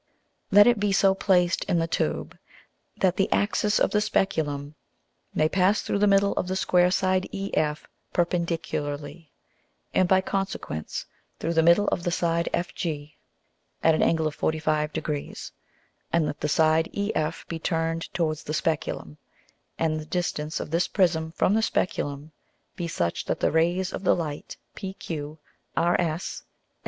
Let it be so placed in the Tube, that the Axis of the Speculum may pass through the middle of the square side EF perpendicularly and by consequence through the middle of the side FG at an Angle of 45 Degrees, and let the side EF be turned towards the Speculum, and the distance of this Prism from the Speculum be such that the Rays of the Light PQ, RS, &c.